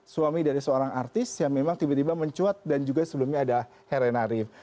suami dari seorang artis yang memang tiba tiba mencuat dan juga sebelumnya ada here narif